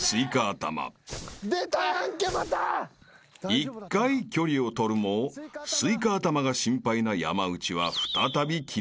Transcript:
［一回距離を取るもスイカ頭が心配な山内は］